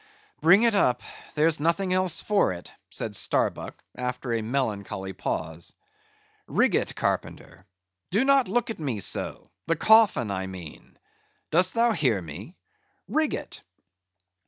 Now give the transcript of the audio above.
"Bring it up; there's nothing else for it," said Starbuck, after a melancholy pause. "Rig it, carpenter; do not look at me so—the coffin, I mean. Dost thou hear me? Rig it."